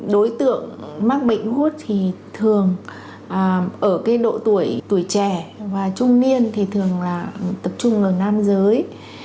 đối tượng mắc bệnh gút thì thường ở độ tuổi trẻ và trung niên thì thường tập trung ở nam giới